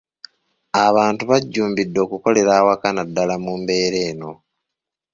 Abantu bajjumbidde okukolera awaka naddala mu mbeera eno.